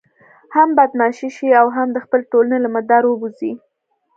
هم بدماش شي او هم د خپلې ټولنې له مدار ووزي.